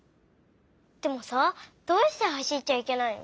でもさどうしてはしっちゃいけないの？